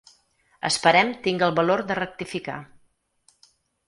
Esperem tinga el valor de rectificar.